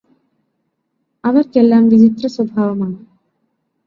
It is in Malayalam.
അവർക്കെല്ലാം വിചിത്രസ്വഭാവമാണ്